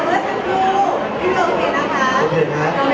ไม่ต้องถามไม่ต้องถาม